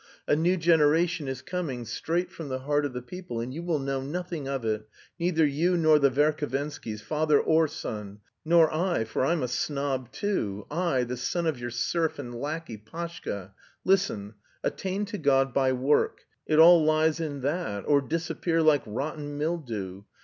A new generation is coming, straight from the heart of the people, and you will know nothing of it, neither you nor the Verhovenskys, father or son; nor I, for I'm a snob too I, the son of your serf and lackey, Pashka.... Listen. Attain to God by work; it all lies in that; or disappear like rotten mildew.